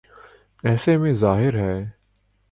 ایسے میں ظاہر ہے۔